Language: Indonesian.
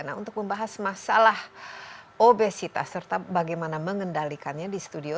nah untuk membahas masalah obesitas serta bagaimana mengendalikannya di studio